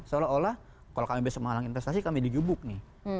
seolah olah kalau kami besok menghalangi investasi kami dijubuk nih